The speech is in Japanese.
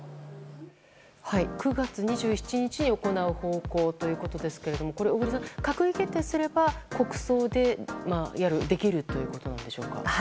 ９月２７日に行う方向ということですけどもこれ、小栗さん閣議決定すれば国葬でできるということなんでしょうか。